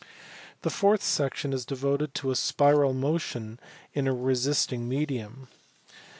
The fourth section is devoted to spiral motion in a resisting medium.